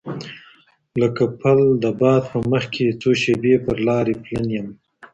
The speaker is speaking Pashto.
لکه پل د باد په مخ کي څو شېبې پر لاري پلن یم